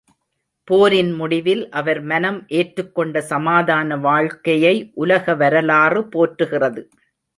போரின் முடிவில் அவர் மனம் ஏற்றுக்கொண்ட சமாதான வாழ்க்கையை உலக வரலாறு போற்றுகிறது.